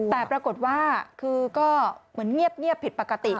แต่ปรากฏว่าคือก็เหมือนเงียบผิดปกติ